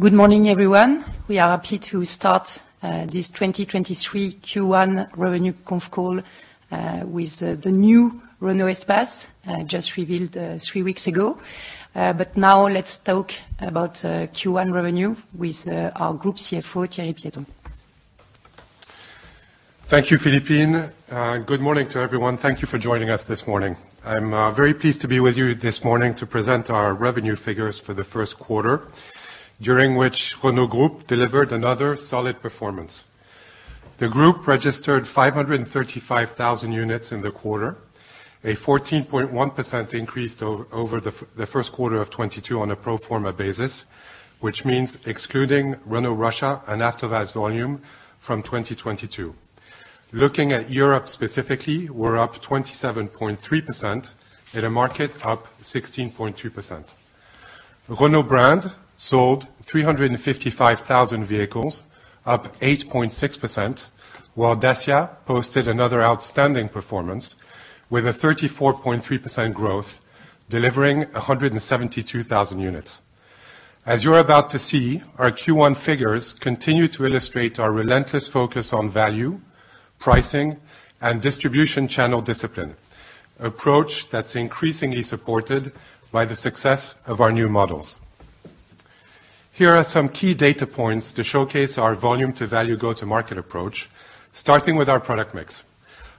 Good morning, everyone. We are happy to start this 2023 Q1 revenue conf call with the new Renault Espace just revealed 3 weeks ago. Now let's talk about Q1 revenue with our Group CFO, Thierry Piéton. Thank you, Philippe. Good morning to everyone. Thank you for joining us this morning. I'm very pleased to be with you this morning to present our revenue figures for the Q1, during which Renault Group delivered another solid performance. The group registered 535,000 units in the quarter, a 14.1% increase over the Q1 of 2022 on a pro forma basis, which means excluding Renault Russia and AVTOVAZ volume from 2022. Looking at Europe specifically, we're up 27.3% in a market up 16.2%. Renault brand sold 355,000 vehicles, up 8.6%, while Dacia posted another outstanding performance with a 34.3% growth, delivering 172,000 units. As you're about to see, our Q1 figures continue to illustrate our relentless focus on value, pricing, and distribution channel discipline, approach that's increasingly supported by the success of our new models. Here are some key data points to showcase our volume to value go-to-market approach, starting with our product mix.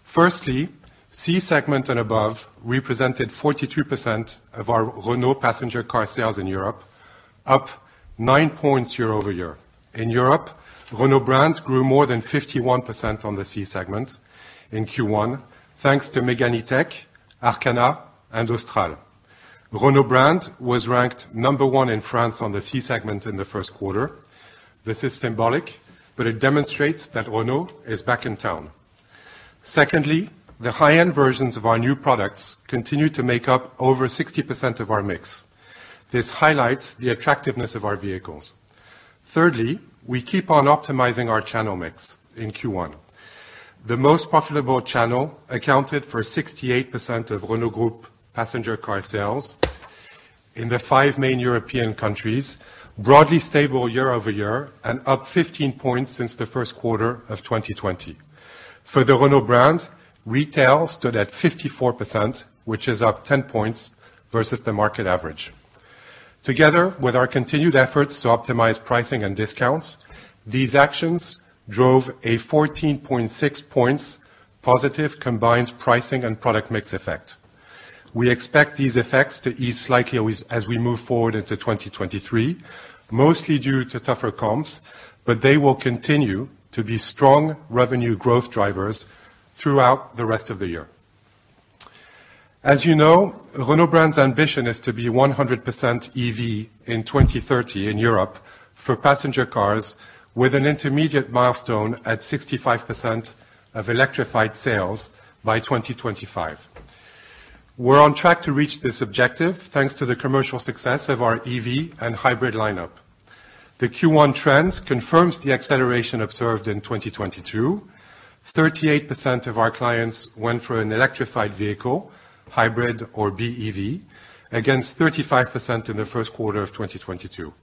Firstly, C segment and above represented 42% of our Renault passenger car sales in Europe, up 9 points -over-. In Europe, Renault brand grew more than 51% on the C segment in Q1, thanks to Megane E-TECH, Arkana, and Austral. Renault brand was ranked number 1 in France on the C segment in the Q1. This is symbolic, but it demonstrates that Renault is back in town. Secondly, the high-end versions of our new products continue to make up over 60% of our mix. This highlights the attractiveness of our vehicles. Thirdly, we keep on optimizing our channel mix in Q1. The most profitable channel accounted for 68% of Renault Group passenger car sales in the 5 main European countries, broadly stable year-over-year and up 15 points since the Q1 of 2020. For the Renault brand, retail stood at 54%, which is up 10 points versus the market average. Together, with our continued efforts to optimize pricing and discounts, these actions drove a 14.6 points positive combined pricing and product mix effect. We expect these effects to ease slightly as we move forward into 2023, mostly due to tougher comps, but they will continue to be strong revenue growth drivers throughout the rest of the year. As you know, Renault brand's ambition is to be 100% EV in 2030 in Europe for passenger cars with an intermediate milestone at 65% of electrified sales by 2025. We're on track to reach this objective, thanks to the commercial success of our EV and hybrid lineup. The Q1 trends confirms the acceleration observed in 2022. 38% of our clients went for an electrified vehicle, hybrid or BEV, against 35% in the Q1 of 2022.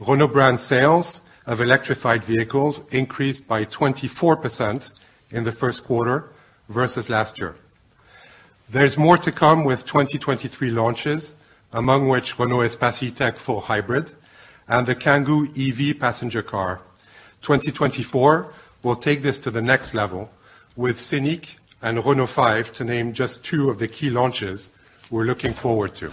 Renault brand sales of electrified vehicles increased by 24% in the Q1 versus last year. There's more to come with 2023 launches, among which Renault Espace E-Tech full hybrid and the Kangoo EV passenger car. 2024 will take this to the next level with Scenic and Renault 5, to name just two of the key launches we're looking forward to.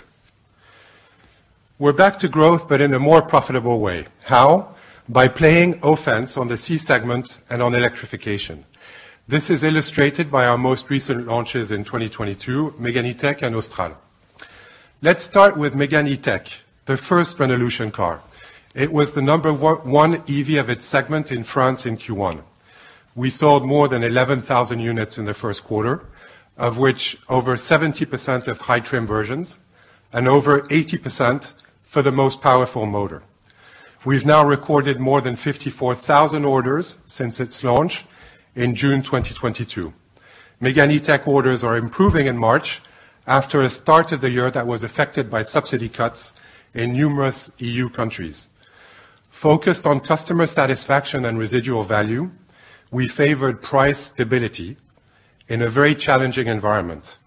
We're back to growth in a more profitable way. How? By playing offense on the C segment and on electrification. This is illustrated by our most recent launches in 2022, Megane E-TECH and Austral. Let's start with Megane E-TECH, the first Renaulution car. It was the number one EV of its segment in France in Q1. We sold more than 11,000 units in the Q1, of which over 70% of high trim versions and over 80% for the most powerful motor. We've now recorded more than 54,000 orders since its launch in June 2022. Megane E-TECH orders are improving in March after a start of the year that was affected by subsidy cuts in numerous EU countries. Focused on customer satisfaction and residual value, we favored price stability in a very challenging environment.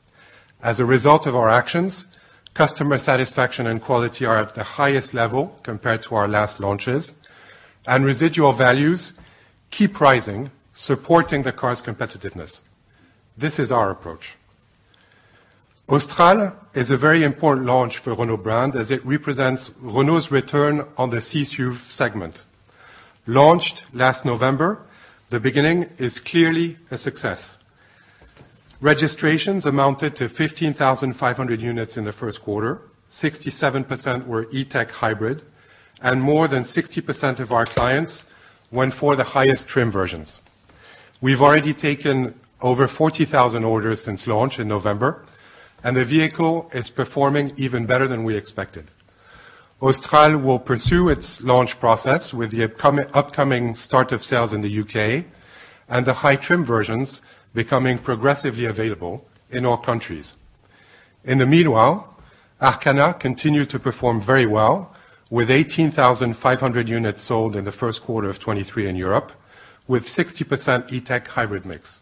As a result of our actions, customer satisfaction and quality are at the highest level compared to our last launches. Residual values keep rising, supporting the car's competitiveness. This is our approach. Austral is a very important launch for Renault brand as it represents Renault's return on the C-SUV segment. Launched last November, the beginning is clearly a success. Registrations amounted to 15,500 units in the Q1. 67% were E-TECH hybrid. More than 60% of our clients went for the highest trim versions. We've already taken over 40,000 orders since launch in November. The vehicle is performing even better than we expected. Austral will pursue its launch process with the upcoming start of sales in the U.K., and the high trim versions becoming progressively available in all countries. In the meanwhile, Arkana continued to perform very well with 18,500 units sold in the Q1 of 2023 in Europe, with 60% E-Tech hybrid mix.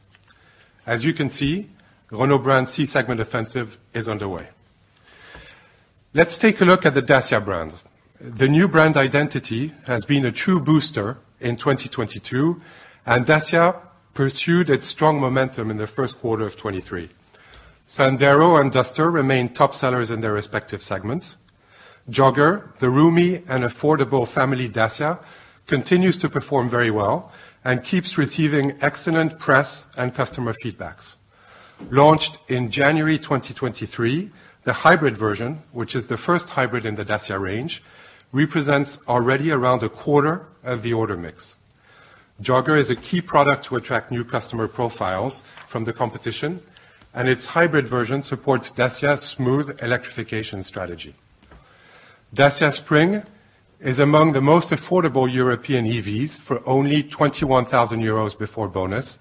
As you can see, Renault brand C-segment offensive is underway. Let's take a look at the Dacia brand. The new brand identity has been a true booster in 2022, Dacia pursued its strong momentum in the Q1 of 2023. Sandero and Duster remain top sellers in their respective segments. Jogger, the roomy and affordable family Dacia, continues to perform very well and keeps receiving excellent press and customer feedbacks. Launched in January 2023, the hybrid version, which is the first hybrid in the Dacia range, represents already around a quarter of the order mix. Jogger is a key product to attract new customer profiles from the competition, and its hybrid version supports Dacia's smooth electrification strategy. Dacia Spring is among the most affordable European EVs for only 21,000 euros before bonus,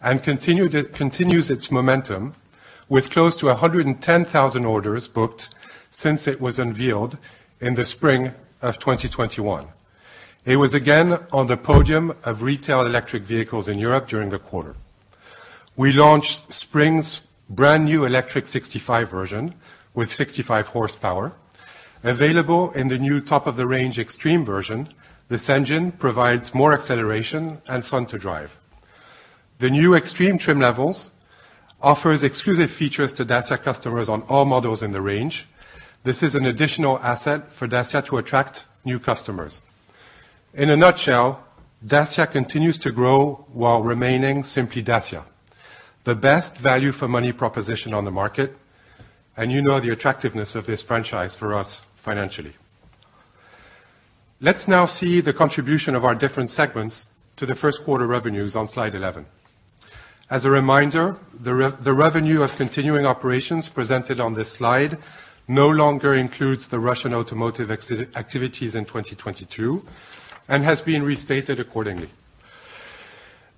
and continues its momentum, with close to 110,000 orders booked since it was unveiled in the spring of 2021. It was again on the podium of retail electric vehicles in Europe during the quarter. We launched Spring's brand new electric 65 version with 65 horsepower. Available in the new top of the range Extreme version, this engine provides more acceleration and fun to drive. The new Extreme trim levels offers exclusive features to Dacia customers on all models in the range. This is an additional asset for Dacia to attract new customers. In a nutshell, Dacia continues to grow while remaining simply Dacia. The best value for money proposition on the market, and you know the attractiveness of this franchise for us financially. Let's now see the contribution of our different segments to the Q1 revenues on slide 11. As a reminder, the revenue of continuing operations presented on this slide no longer includes the Russian automotive activities in 2022, and has been restated accordingly.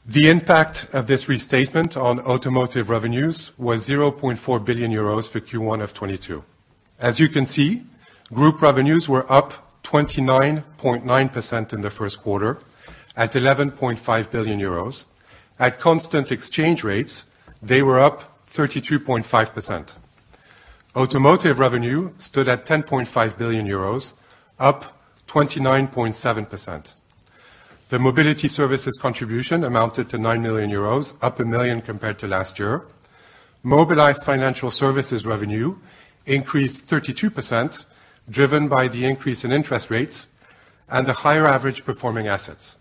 The impact of this restatement on automotive revenues was 0.4 billion euros for Q1 of 2022. As you can see, group revenues were up 29.9% in the Q1 at 11.5 billion euros. At constant exchange rates, they were up 32.5%. Automotive revenue stood at 10.5 billion euros, up 29.7%. The mobility services contribution amounted to 9 million euros, up 1 million compared to last year. Mobilize Financial Services revenue increased 32%, driven by the increase in interest rates and the higher average performing assets.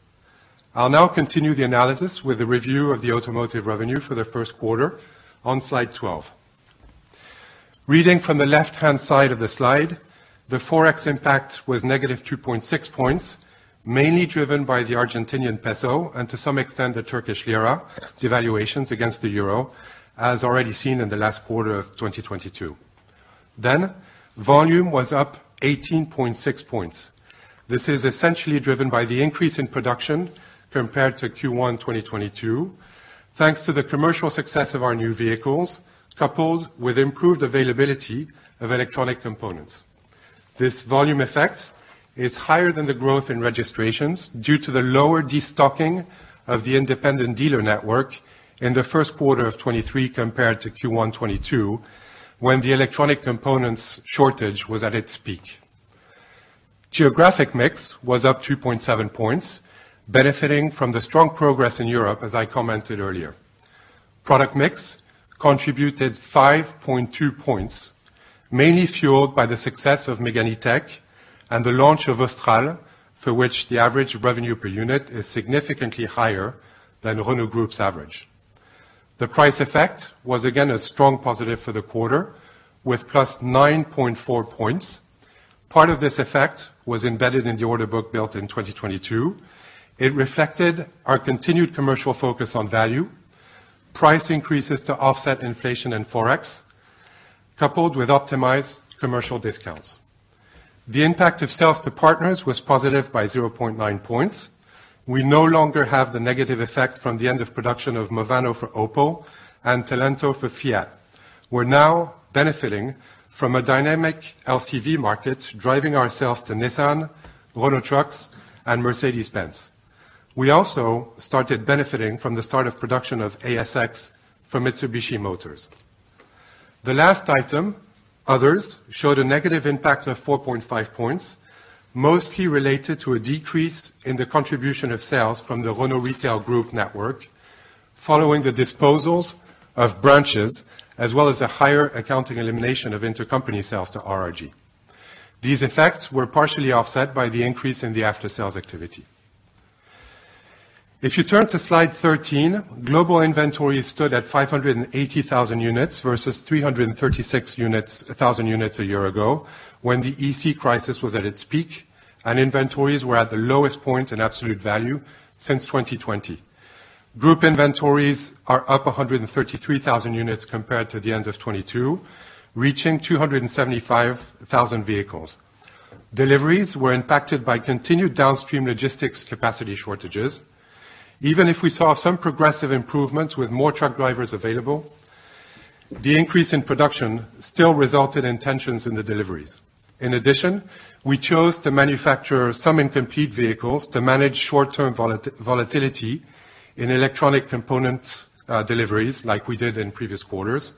I'll now continue the analysis with a review of the automotive revenue for the Q1 on slide 12. Reading from the left-hand side of the slide, the Forex impact was negative 2.6 points, mainly driven by the Argentinian peso and to some extent the Turkish lira devaluations against the euro, as already seen in the last quarter of 2022. Volume was up 18.6 points. This is essentially driven by the increase in production compared to Q1 2022, thanks to the commercial success of our new vehicles, coupled with improved availability of electronic components. This volume effect is higher than the growth in registrations due to the lower destocking of the independent dealer network in the Q1 of 2023 compared to Q1 2022, when the electronic components shortage was at its peak. Geographic mix was up 2.7 points, benefiting from the strong progress in Europe, as I commented earlier. Product mix contributed 5.2 points, mainly fueled by the success of Megane E-Tech and the launch of Austral, for which the average revenue per unit is significantly higher than Renault Group's average. The price effect was again a strong positive for the quarter, with plus 9.4 points. Part of this effect was embedded in the order book built in 2022. It reflected our continued commercial focus on value, price increases to offset inflation and forex, coupled with optimized commercial discounts. The impact of sales to partners was positive by 0.9 points. We no longer have the negative effect from the end of production of Movano for Opel and Talento for Fiat. We're now benefiting from a dynamic LCV market, driving our sales to Nissan, Renault Trucks, and Mercedes-Benz. We also started benefiting from the start of production of ASX for Mitsubishi Motors. The last item, others, showed a negative impact of 4.5 points, mostly related to a decrease in the contribution of sales from the Renault Retail Group network following the disposals of branches, as well as a higher accounting elimination of intercompany sales to RRG. These effects were partially offset by the increase in the after-sales activity. If you turn to slide 13, global inventory stood at 580,000 units versus 336,000 units a year ago, when the EC crisis was at its peak. Inventories were at the lowest point in absolute value since 2020. Group inventories are up 133,000 units compared to the end of 2022, reaching 275,000 vehicles. Deliveries were impacted by continued downstream logistics capacity shortages. Even if we saw some progressive improvements with more truck drivers available, the increase in production still resulted in tensions in the deliveries. In addition, we chose to manufacture some incomplete vehicles to manage short-term volatility in electronic components deliveries, like we did in previous quarters.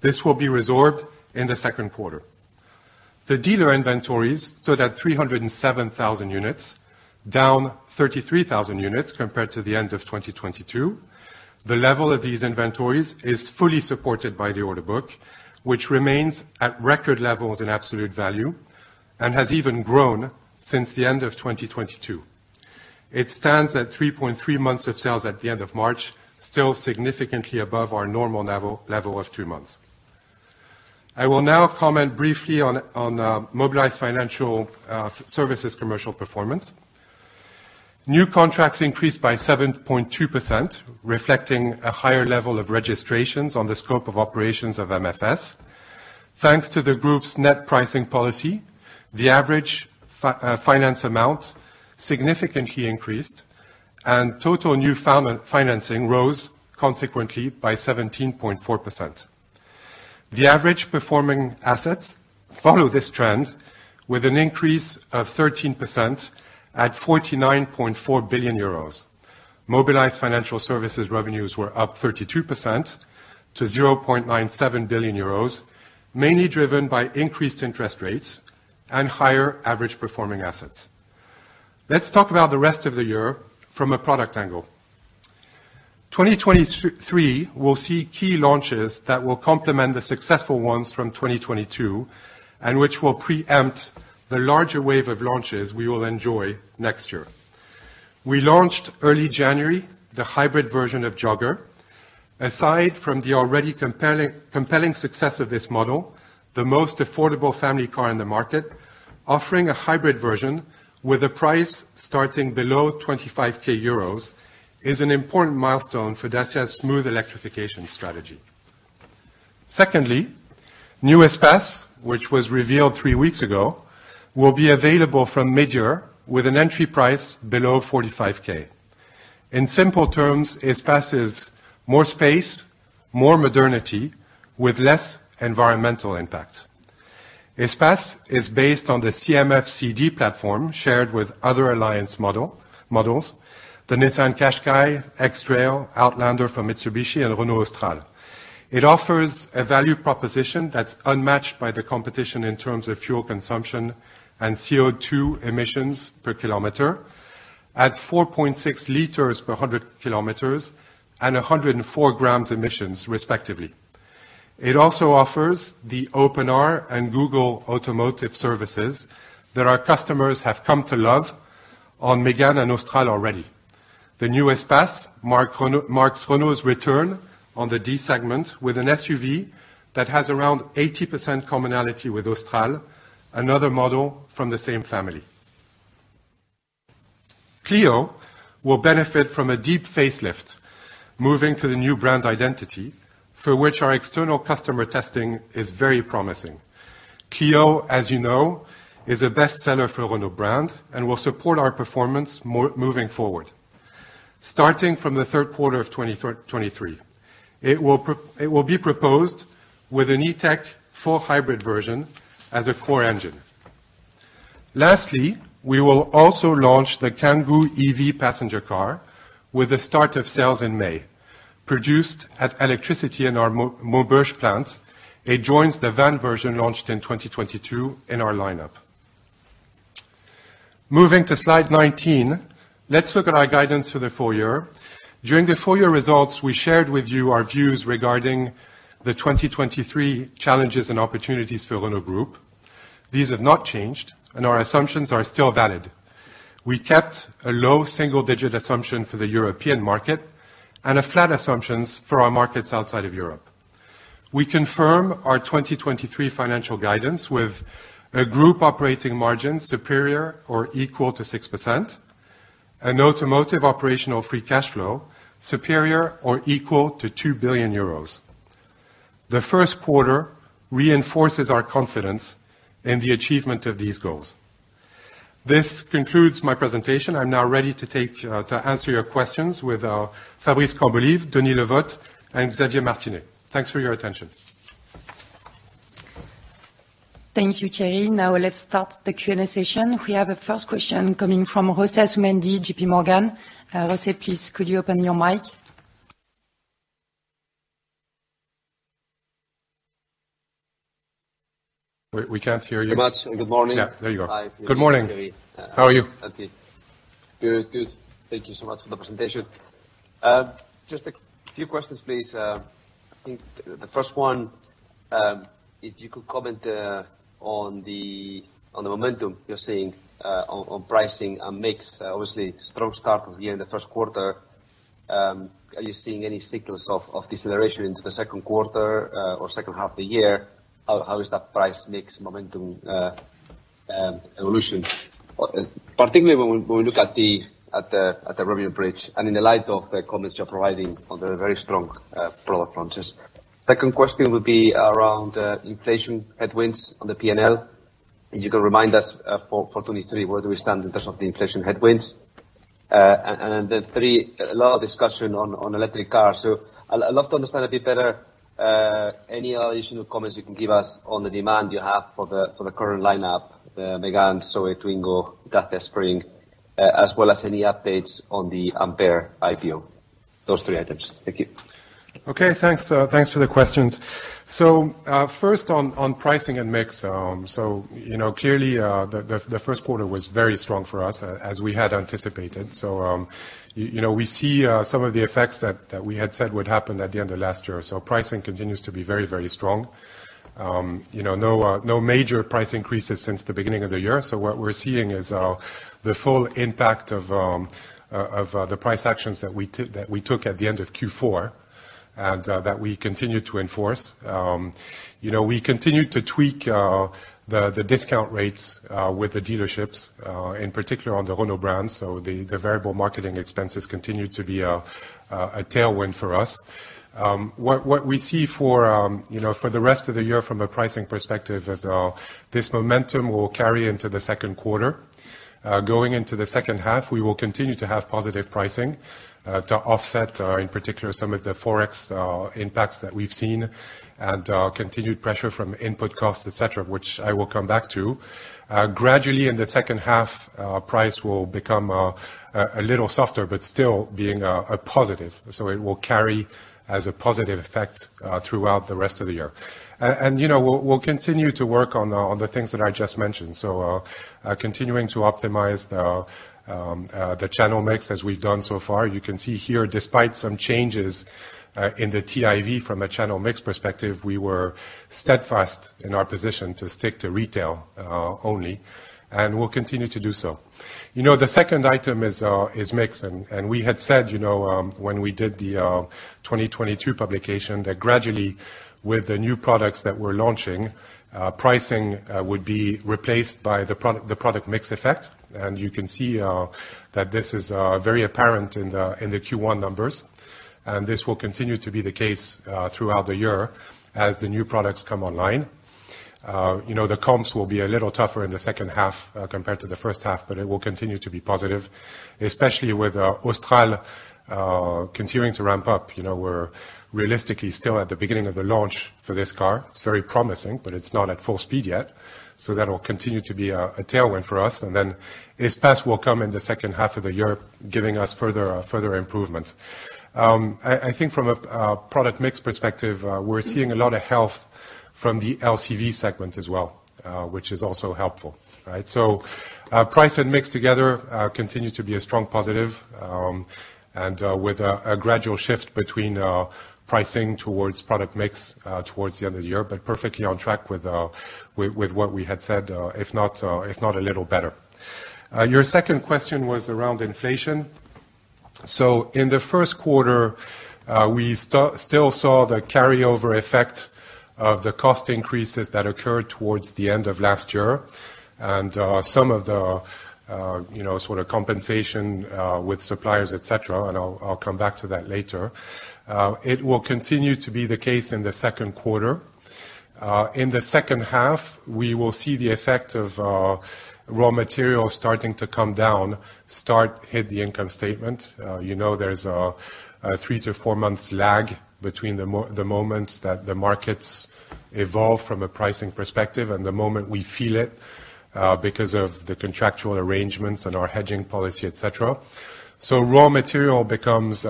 This will be resolved in the Q2. The dealer inventories stood at 307,000 units, down 33,000 units compared to the end of 2022. The level of these inventories is fully supported by the order book, which remains at record levels in absolute value, and has even grown since the end of 2022. It stands at 3.3 months of sales at the end of March, still significantly above our normal level of 2 months. I will now comment briefly on Mobilize Financial Services commercial performance. New contracts increased by 7.2%, reflecting a higher level of registrations on the scope of operations of MFS. Thanks to the group's net pricing policy, the average finance amount significantly increased, and total new financing rose consequently by 17.4%. The average performing assets follow this trend with an increase of 13% at 49.4 billion euros. Mobilize Financial Services revenues were up 32% to 0.97 billion euros, mainly driven by increased interest rates and higher average performing assets. Let's talk about the rest of the year from a product angle. 2023 will see key launches that will complement the successful ones from 2022. Which will preempt the larger wave of launches we will enjoy next year. We launched early January, the hybrid version of Jogger. Aside from the already compelling success of this model, the most affordable family car in the market, offering a hybrid version with a price starting below 25k euros, is an important milestone for Dacia's smooth electrification strategy. Secondly, new Espace, which was revealed three weeks ago, will be available from midyear, with an entry price below 45k. In simple terms, Espace is more space, more modernity with less environmental impact. Espace is based on the CMF-CD platform shared with other Alliance models: the Nissan Qashqai, X-Trail, Outlander from Mitsubishi, and Renault Austral. It offers a value proposition that's unmatched by the competition in terms of fuel consumption and CO2 emissions per kilometer, at 4.6 liters per 100 kilometers and 104 grams emissions, respectively. It also offers the OpenR and Google Automotive Services that our customers have come to love on Megane and Austral already. The new Espace marks Renault's return on the D segment with an SUV that has around 80% commonality with Austral, another model from the same family. Clio will benefit from a deep facelift, moving to the new brand identity, for which our external customer testing is very promising. Clio, as is a bestseller for Renault brand and will support our performance moving forward. Starting from the Q3 of 2023, it will be proposed with an E-Tech full hybrid version as a core engine. Lastly, we will also launch the Kangoo EV passenger car, with the start of sales in May. Produced at ElectriCity in our Maubeuge plant, it joins the van version launched in 2022 in our lineup. Moving to slide 19, let's look at our guidance for the full year. During the full year results, we shared with you our views regarding the 2023 challenges and opportunities for Renault Group. These have not changed. Our assumptions are still valid. We kept a low single-digit assumption for the European market. A flat assumptions for our markets outside of Europe. We confirm our 2023 financial guidance with a group operating margin superior or equal to 6%, an automotive operational free cash flow superior or equal to 2 billion euros. The Q1 reinforces our confidence in the achievement of these goals. This concludes my presentation. I'm now ready to take to answer your questions with Fabrice Cambolive, Denis Le Vot, and Xavier Martinet. Thanks for your attention. Thank you, Thierry. Let's start the Q&A session. We have a first question coming from Jose Asumendi, J.P. Morgan. Jose, please, could you open your mic? We can't hear you. Thank you very much, and good morning. Yeah, there you go. Hi, Thierry. Good morning. How are you? Good. Thank you so much for the presentation. Just a few questions, please. I think the first one, if you could comment on the momentum you're seeing on pricing and mix. Obviously, strong start of the year in the Q1. Are you seeing any signals of deceleration into the Q2 or second half of the year? How is that price mix momentum evolution? Particularly when we look at the revenue bridge and in the light of the comments you're providing on the very strong product launches. Second question would be around inflation headwinds on the P&L. If you can remind us for 2023, where do we stand in terms of the inflation headwinds? Then three, a lot of discussion on electric cars. I'd love to understand a bit better any additional comments you can give us on the demand you have for the current lineup, the Megane, ZOE, Twingo, Dacia Spring, as well as any updates on the Ampere IPO. Those three items. Thank you. Okay. Thanks. Thanks for the questions. First on pricing and mix. You know, clearly, the Q1 was very strong for us as we had anticipated. We see some of the effects that we had said would happen at the end of last year. Pricing continues to be very strong. No major price increases since the beginning of the year. What we're seeing is the full impact of the price actions that we took at the end of Q4, and that we continue to enforce. You know, we continued to tweak the discount rates with the dealerships, in particular on the Renault brand. The variable marketing expenses continue to be a tailwind for us. What we see for the rest of the year from a pricing perspective is this momentum will carry into the Q2. Going into the second half, we will continue to have positive pricing to offset in particular some of the forex impacts that we've seen and continued pressure from input costs, et cetera, which I will come back to. Gradually in the second half, price will become a little softer, but still being a positive. It will carry as a positive effect throughout the rest of the year. And, we'll continue to work on the things that I just mentioned. Continuing to optimize the channel mix as we've done so far. You can see here, despite some changes in the TIV from a channel mix perspective, we were steadfast in our position to stick to retail only, and we'll continue to do so. You know, the second item is mix. We had said,, when we did the 2022 publication, that gradually with the new products that we're launching, pricing would be replaced by the product mix effect. You can see that this is very apparent in the Q1 numbers, and this will continue to be the case throughout the year as the new products come online. You know, the comps will be a little tougher in the second half, compared to the first half, but it will continue to be positive, especially with Austral continuing to ramp up. You know, we're realistically still at the beginning of the launch for this car. It's very promising, but it's not at full speed yet. That'll continue to be a tailwind for us. Espace will come in the second half of the year, giving us further improvements. I think from a product mix perspective, we're seeing a lot of health from the LCV segment as well, which is also helpful. Right? Price and mix together continue to be a strong positive, and with a gradual shift between pricing towards product mix towards the end of the year, but perfectly on track with what we had said, if not a little better. Your second question was around inflation. In the Q1, we still saw the carryover effect of the cost increases that occurred towards the end of last year. Some of the,, sort of compensation with suppliers, et cetera, and I'll come back to that later. It will continue to be the case in the Q2. In the second half, we will see the effect of raw materials starting to come down, start hit the income statement. You know, there's a 3 to 4 months lag between the moments that the markets evolve from a pricing perspective and the moment we feel it because of the contractual arrangements and our hedging policy, et cetera. Raw material becomes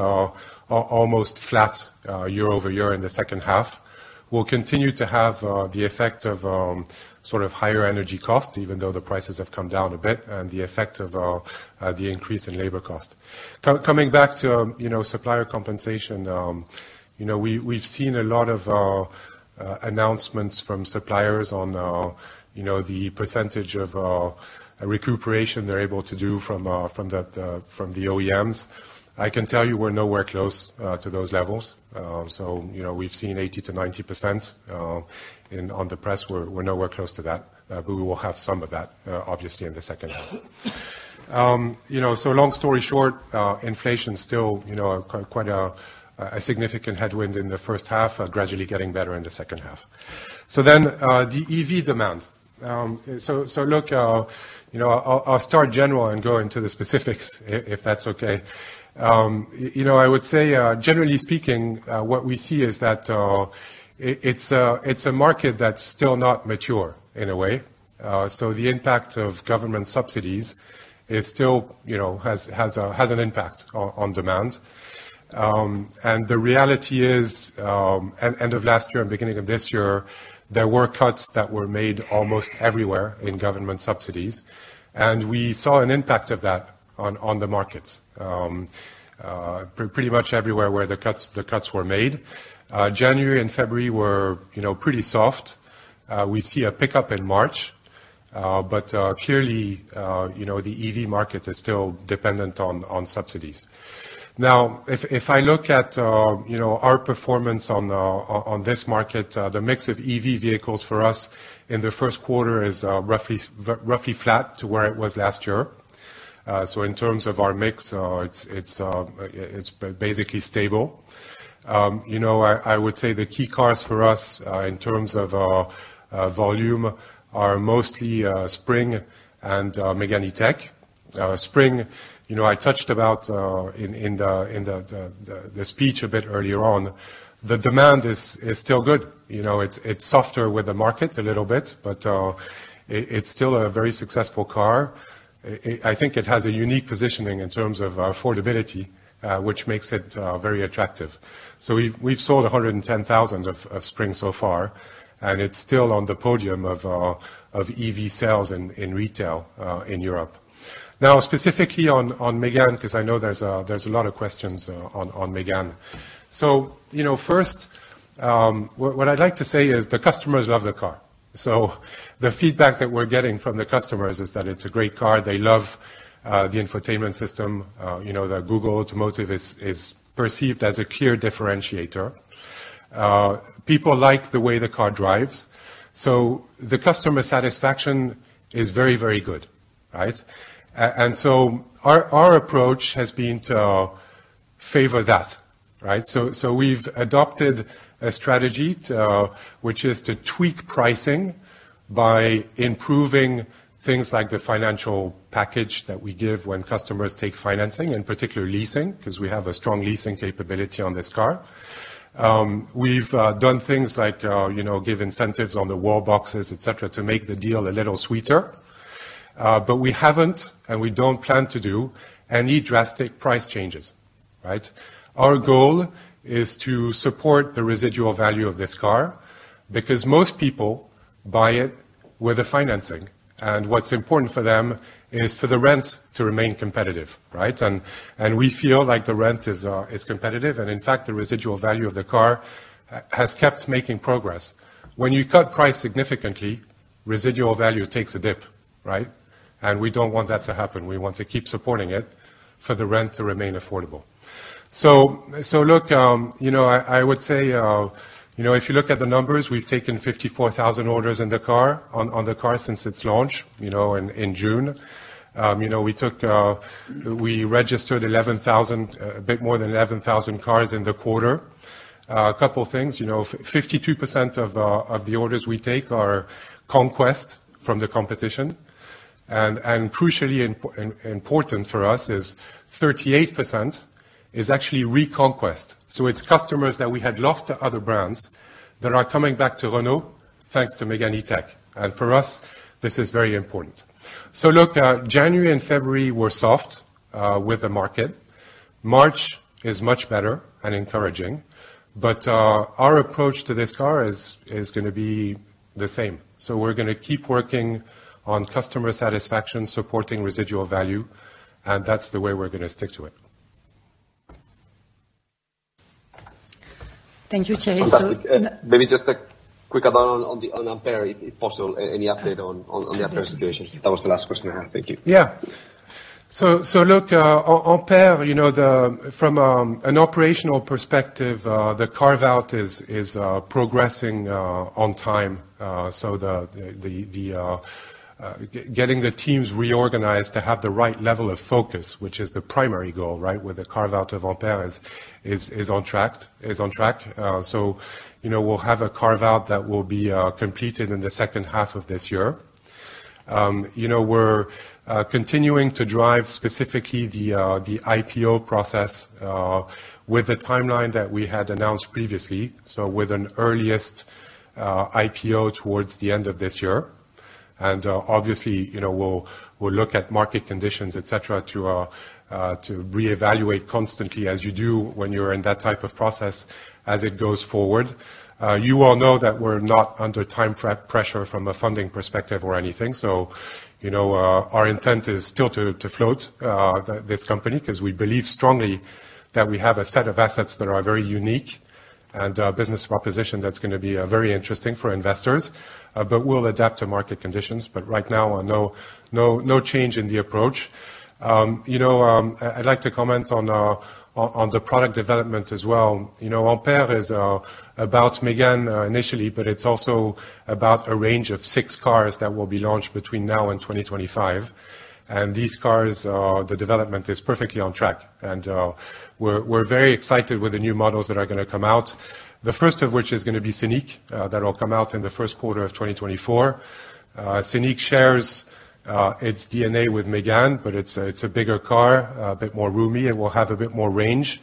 almost flat year-over-year in the second half. We'll continue to have the effect of sort of higher energy cost, even though the prices have come down a bit, and the effect of the increase in labor cost. Coming back to, supplier compensation, we've seen a lot of announcements from suppliers on, the percentage of recuperation they're able to do from from that from the OEMs. I can tell you we're nowhere close to those levels. You know, we've seen 80%-90%, and on the press, we're nowhere close to that. We will have some of that, obviously in the second half. You know, long story short, inflation still, quite a significant headwind in the first half, gradually getting better in the second half. The EV demand. Look, I'll start general and go into the specifics if that's okay, I would say, generally speaking, what we see is that it's a market that's still not mature in a way. The impact of government subsidies is still, has an impact on demand. The reality is, end of last year and beginning of this year, there were cuts that were made almost everywhere in government subsidies, and we saw an impact of that on the markets pretty much everywhere where the cuts were made. January and February were, pretty soft. We see a pickup in March, but clearly, the EV market is still dependent on subsidies. If I look at, our performance on this market, the mix of EV vehicles for us in the Q1 is roughly flat to where it was last year. So in terms of our mix, it's basically stable. You know, I would say the key cars for us, in terms of volume, are mostly Spring and Megane E-Tech. Spring, I touched about in the speech a bit earlier on, the demand is still good. You know, it's softer with the market a little bit, but it's still a very successful car. I think it has a unique positioning in terms of affordability, which makes it very attractive. We've sold 110,000 of Spring so far, and it's still on the podium of EV sales in retail in Europe. Specifically on Megane, 'cause I know there's a lot of questions on Megane. You know, first, what I'd like to say is the customers love the car. The feedback that we're getting from the customers is that it's a great car. They love the infotainment system. You know, the Google Automotive is perceived as a clear differentiator. People like the way the car drives, so the customer satisfaction is very good, right? Our approach has been to favor that, right? We've adopted a strategy which is to tweak pricing by improving things like the financial package that we give when customers take financing, and particularly leasing, 'cause we have a strong leasing capability on this car. We've done things like, give incentives on the wall boxes, et cetera, to make the deal a little sweeter. We haven't, and we don't plan to do any drastic price changes, right? Our goal is to support the residual value of this car because most people buy it with the financing, and what's important for them is for the rent to remain competitive, right? We feel like the rent is competitive, and in fact, the residual value of the car has kept making progress. When you cut price significantly, residual value takes a dip, right? We don't want that to happen. We want to keep supporting it for the rent to remain affordable. Look, you know, I would say,, if you look at the numbers, we've taken 54,000 orders in the car, on the car since its launch, in June. You know, we took, we registered 11,000, a bit more than 11,000 cars in the quarter. A couple things, 52% of the orders we take are conquest from the competition, crucially important for us is 38% is actually reconquest. It's customers that we had lost to other brands that are coming back to Renault, thanks to Megane E-Tech. For us, this is very important. Look, January and February were soft with the market. March is much better and encouraging, our approach to this car is gonna be the same. We're gonna keep working on customer satisfaction, supporting residual value, and that's the way we're gonna stick to it. Thank you, Thierry. Fantastic. Maybe just a quick add on Ampere, if possible. Any update on the Ampere situation. That was the last question I had. Thank you. Look, on Ampere, you know, from an operational perspective, the carve-out is progressing on time. So getting the teams reorganized to have the right level of focus, which is the primary goal, right, with the carve-out of Ampere, is on track. You know, we'll have a carve-out that will be completed in the second half of this year. You know, we're continuing to drive specifically the IPO process with the timeline that we had announced previously, so with an earliest IPO towards the end of this year. Obviously, you know, we'll look at market conditions, et cetera, to reevaluate constantly as you do when you're in that type of process as it goes forward. You all know that we're not under time pressure from a funding perspective or anything. You know, our intent is still to float this company, 'cause we believe strongly that we have a set of assets that are very unique and a business proposition that's gonna be very interesting for investors, but we'll adapt to market conditions. Right now, no, no change in the approach. You know, I'd like to comment on on the product development as well. You know, Ampere is about Megane initially, but it's also about a range of six cars that will be launched between now and 2025. These cars, the development is perfectly on track. We're very excited with the new models that are gonna come out. The first of which is gonna be Scenic that will come out in the Q1 of 2024. Scenic shares its DNA with Megane, but it's a bigger car, a bit more roomy, and will have a bit more range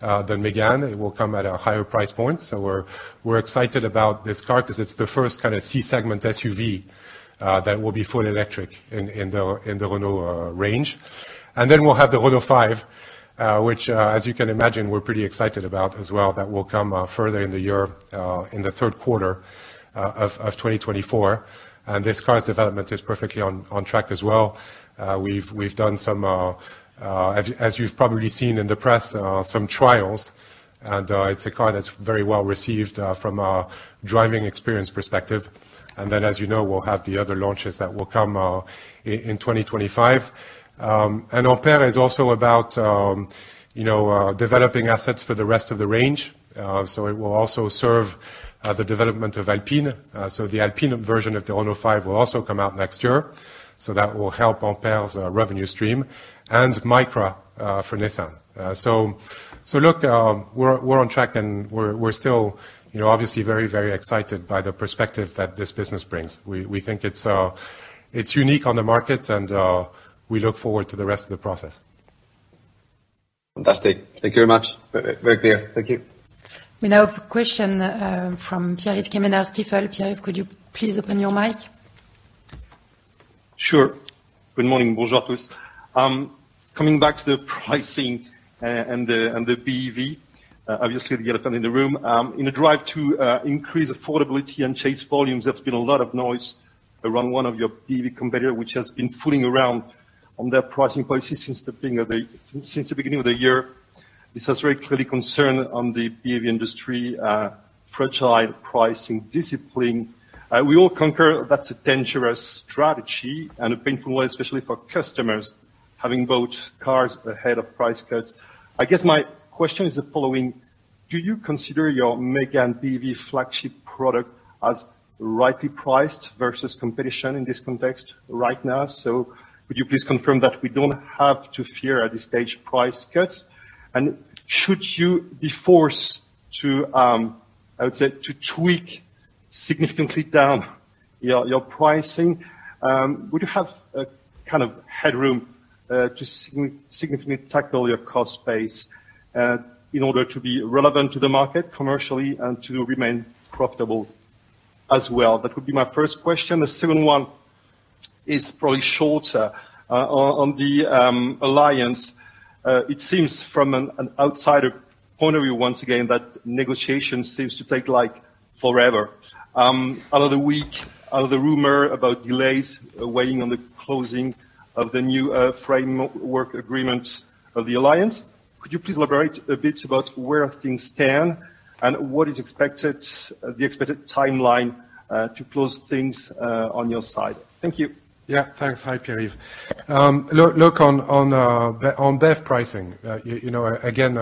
than Megane. It will come at a higher price point. We're excited about this car 'cause it's the first kind of C segment SUV that will be fully electric in the, in the Renault range. We'll have the Renault 5, which, as you can imagine, we're pretty excited about as well. That will come further in the year, in the Q3 of 2024. This car's development is perfectly on track as well. We've done some, as you've probably seen in the press, some trials. It's a car that's very well received from a driving experience perspective. As you know, we'll have the other launches that will come in 2025. Ampere is also about developing assets for the rest of the range. It will also serve the development of Alpine. The Alpine version of the Renault 5 will also come out next year, so that will help Ampere's revenue stream. Micra for Nissan. Look, we're on track, and we're still, obviously very, very excited by the perspective that this business brings. We think it's unique on the market, and we look forward to the rest of the process. Fantastic. Thank you very much. Very clear. Thank you. We now have a question from Pierre. Pierre, could you please open your mic? Sure. Good morning. Bonjour à tous. Coming back to the pricing and the BEV, obviously the elephant in the room. In a drive to increase affordability and chase volumes, there's been a lot of noise around one of your BEV competitor, which has been fooling around on their pricing policy since the beginning of the year. This has very clearly concerned on the BEV industry, fragile pricing discipline. We all concur that's a dangerous strategy and a painful one, especially for customers having both cars ahead of price cuts. I guess my question is the following: Do you consider your Megane E-Tech flagship product as rightly priced versus competition in this context right now? Would you please confirm that we don't have to fear at this stage price cuts? Should you be forced to, I would say, to tweak significantly down your pricing, would you have a kind of headroom to significantly tackle your cost base in order to be relevant to the market commercially and to remain profitable as well? That would be my first question. The second one is probably shorter. On the Alliance, it seems from an outsider point of view, once again, that negotiation seems to take, like, forever. Another week, another rumor about delays waiting on the closing of the new framework agreement of the Alliance. Could you please elaborate a bit about where things stand and what is expected, the expected timeline, to close things on your side? Thank you. Thanks. Hi, Pierre. Look, on BEV pricing, again,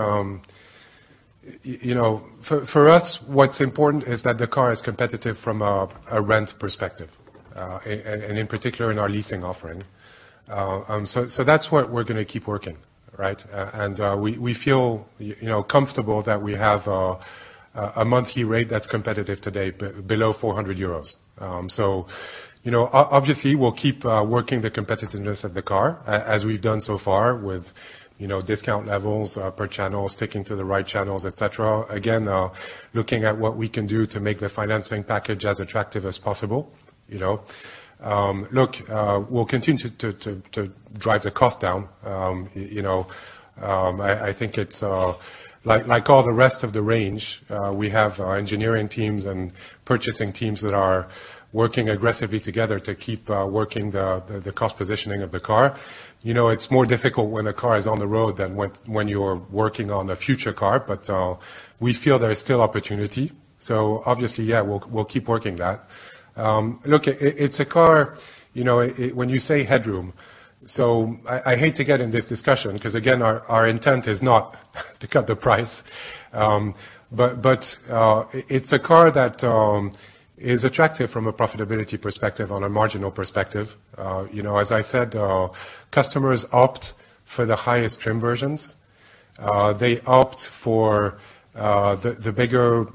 for us, what's important is that the car is competitive from a rent perspective, and in particular in our leasing offering. So that's what we're gonna keep working, right? We feel, comfortable that we have a monthly rate that's competitive today below 400 euros. You know, obviously, we'll keep working the competitiveness of the car as we've done so far with, discount levels per channel, sticking to the right channels, et cetera. Again, looking at what we can do to make the financing package as attractive as possible, Look, we'll continue to drive the cost down. You know, I think it's like all the rest of the range, we have engineering teams and purchasing teams that are working aggressively together to keep working the cost positioning of the car. You know, it's more difficult when a car is on the road than when you're working on a future car, but we feel there is still opportunity. Obviously, yeah, we'll keep working that. Look, it's a car, when you say headroom, I hate to get in this discussion 'cause, again, our intent is not to cut the price. But it's a car that is attractive from a profitability perspective, on a marginal perspective. You know, as I said, customers opt for the highest trim versions. They opt for the bigger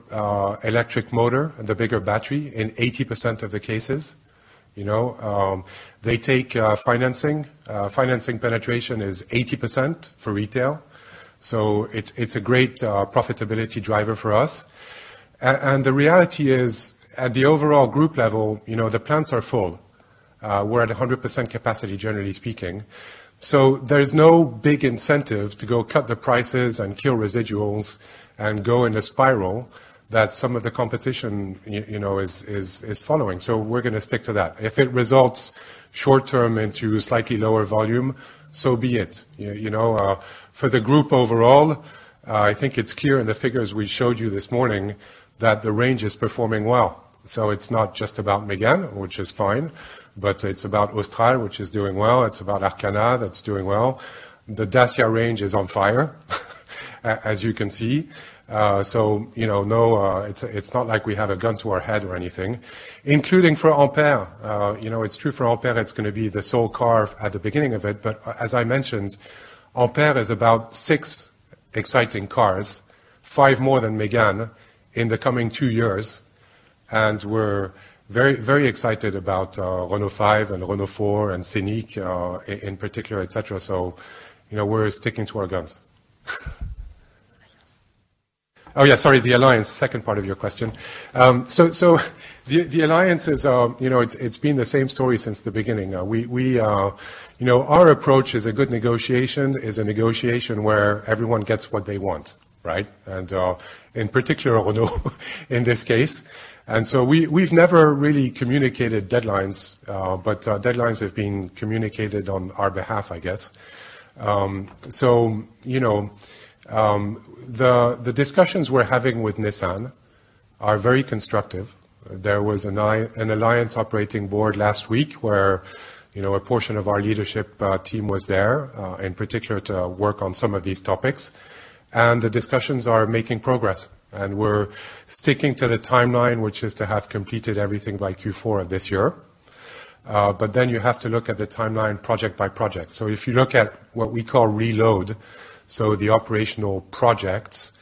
electric motor and the bigger battery in 80% of the cases. They take financing. Financing penetration is 80% for retail. It's a great profitability driver for us. The reality is, at the overall group level, the plants are full. We're at 100% capacity, generally speaking. There's no big incentive to go cut the prices and kill residuals and go in a spiral that some of the competition, is following. We're gonna stick to that. If it results short term into slightly lower volume, so be it. You know, for the group overall, I think it's clear in the figures we showed you this morning that the range is performing well. It's not just about Megane, which is fine, but it's about Austral, which is doing well. It's about Arkana that's doing well. The Dacia range is on fire as you can see. You know, no, it's not like we have a gun to our head or anything. Including for Ampere. You know, it's true for Ampere, it's gonna be the sole car at the beginning of it. As I mentioned, Ampere is about 6 exciting cars, 5 more than Megane, in the coming 2 years. We're very, very excited about Renault 5 and Renault 4 and Scenic in particular, et cetera. You know, we're sticking to our guns. Oh, yeah, sorry. The Alliance, second part of your question. The Alliance is, it's been the same story since the beginning. Our approach is a good negotiation, is a negotiation where everyone gets what they want, right? In particular, Renault, in this case. We've never really communicated deadlines have been communicated on our behalf, I guess. You know, the discussions we're having with Nissan are very constructive. There was an Alliance Operating Board last week where, a portion of our leadership team was there, in particular to work on some of these topics. The discussions are making progress. We're sticking to the timeline, which is to have completed everything by Q4 this year. You have to look at the timeline project by project. If you look at what we call reload, so the operational projects,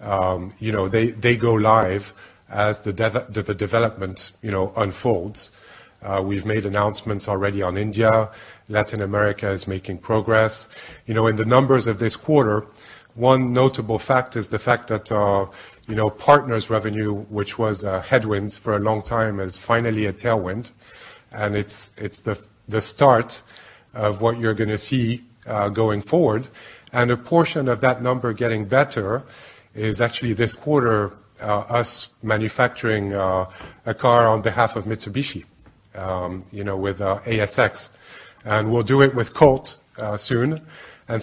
they go live as the development, unfolds. We've made announcements already on India. Latin America is making progress. You know, in the numbers of this quarter, one notable fact is the fact that, partners' revenue, which was a headwind for a long time, is finally a tailwind. It's the start of what you're gonna see going forward. A portion of that number getting better is actually this quarter, us manufacturing a car on behalf of Mitsubishi, with ASX. We'll do it with Colt soon.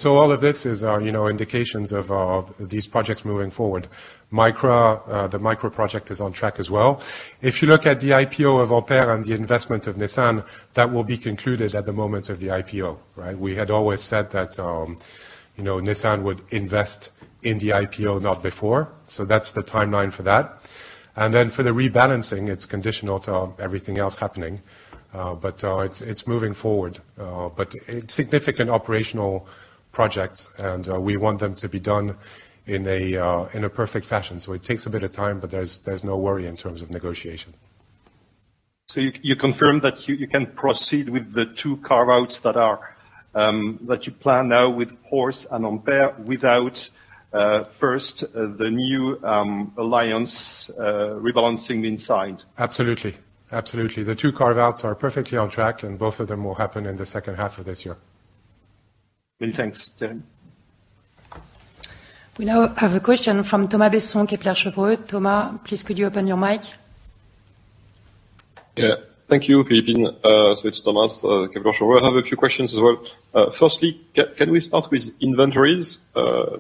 All of this is, indications of these projects moving forward. Micra, the Micra project is on track as well. If you look at the IPO of Ampere and the investment of Nissan, that will be concluded at the moment of the IPO, right? We had always said that, Nissan would invest in the IPO, not before. That's the timeline for that. For the rebalancing, it's conditional to everything else happening, but it's moving forward. It's significant operational projects, and we want them to be done in a perfect fashion. It takes a bit of time, but there's no worry in terms of negotiation. You confirm that you can proceed with the two carve-outs that are that you plan now with Horse and Ampere without first the new Alliance rebalancing in signed? Absolutely. Absolutely. The two carve-outs are perfectly on track, and both of them will happen in the second half of this year. Many thanks. Jane. We now have a question from Thomas Besson, Kepler Cheuvreux. Thomas, please could you open your mic? Thank you, Philippe. It's Thomas, Kepler Cheuvreux. I have a few questions as well. Firstly, can we start with inventories?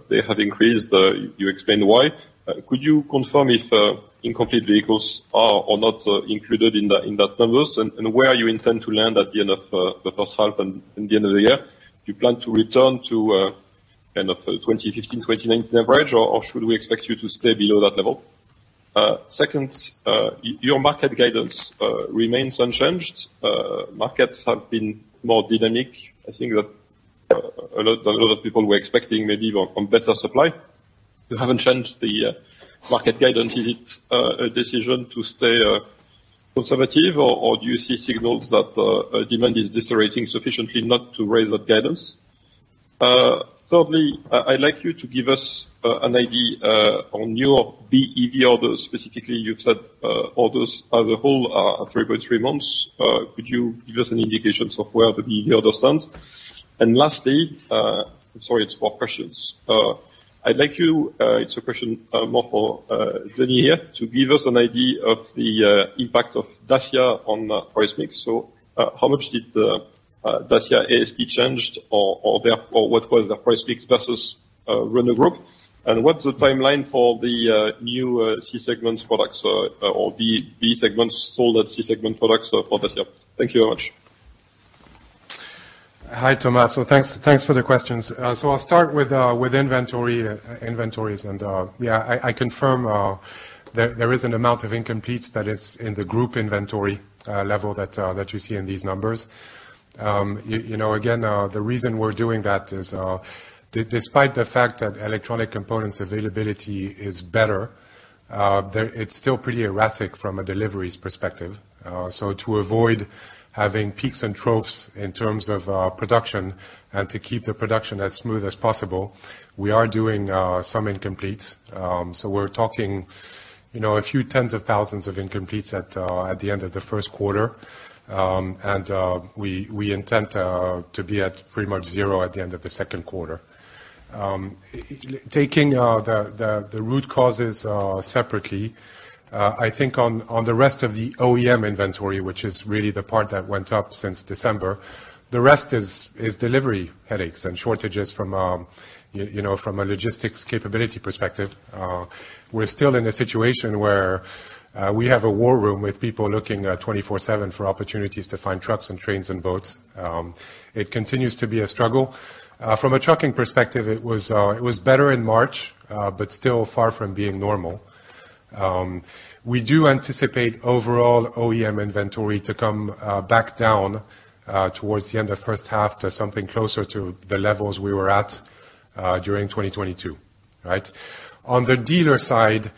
They have increased. You explained why. Could you confirm if incomplete vehicles are or not included in that numbers, and where you intend to land at the end of the first half and the end of the year? Do you plan to return to kind of 2015, 2019 average or should we expect you to stay below that level? Second, your market guidance remains unchanged. Markets have been more dynamic. I think that a lot of people were expecting maybe more from better supply. You haven't changed the market guidance. Is it a decision to stay conservative or do you see signals that demand is decelerating sufficiently not to raise that guidance? Thirdly, I'd like you to give us an idea on your BEV orders specifically. You've said orders as a whole are 3.3 months. Could you give us an indication of where the BEV order stands? Lastly, I'm sorry, it's 4 questions. I'd like you, it's a question more for Denis here, to give us an idea of the impact of Dacia on price mix. How much did Dacia ASP changed or therefore what was the price mix versus Renault Group? What's the timeline for the new C-segment products or B-segments sold at C-segment products for Dacia? Thank you very much. Hi, Thomas. Thanks for the questions. I'll start with inventories. Yeah, I confirm there is an amount of incompletes that is in the group inventory level that you see in these numbers. You know, again, the reason we're doing that is despite the fact that electronic components availability is better, it's still pretty erratic from a deliveries perspective. To avoid having peaks and troughs in terms of production and to keep the production as smooth as possible, we are doing some incompletes. We're talking, a few tens of thousands of incompletes at the end of the Q1. We intend to be at pretty much 0 at the end of the Q2. Taking the root causes separately, I think on the rest of the OEM inventory, which is really the part that went up since December, the rest is delivery headaches and shortages from a logistics capability perspective. We're still in a situation where we have a war room with people looking at 24/7 for opportunities to find trucks and trains and boats. It continues to be a struggle. From a trucking perspective, it was better in March, still far from being normal. We do anticipate overall OEM inventory to come back down towards the end of first half to something closer to the levels we were at during 2022. Right? On the dealer side,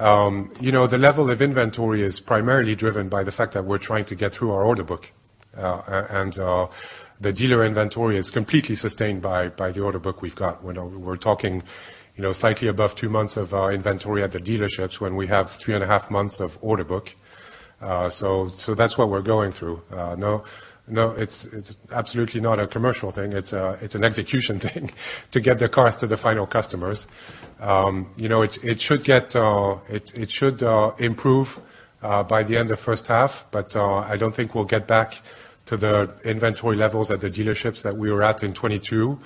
the level of inventory is primarily driven by the fact that we're trying to get through our order book. The dealer inventory is completely sustained by the order book we've got. When we're talking, slightly above 2 months of our inventory at the dealerships, when we have 3 and a half months of order book. That's what we're going through. No, it's absolutely not a commercial thing. It's an execution thing to get the cars to the final customers. You know, it should improve by the end of first half. I don't think we'll get back to the inventory levels at the dealerships that we were at in 2022,